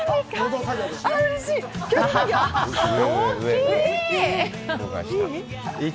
大きい！